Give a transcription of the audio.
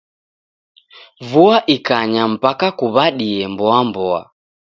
Vua ikanya mpaka kuw'adie mboa-mboa.